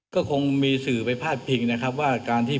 ก็คงมีสื่อไปพาดพิงนะครับว่าการที่